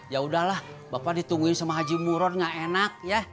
ya udahlah bapak ditungguin sama haji muron gak enak ya